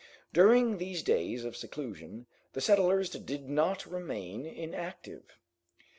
During these days of seclusion the settlers did not remain inactive.